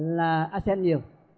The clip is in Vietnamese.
là aten nhiều